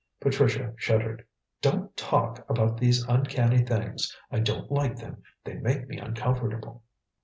Patricia shuddered. "Don't talk about these uncanny things. I don't like them: they make me uncomfortable."